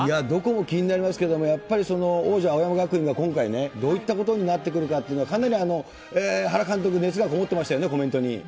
どこも気になりますけれども、王者、青山学院が、今回ね、どういったことになってくるかって、かなり原監督、熱がこもってましたよね、コメントに。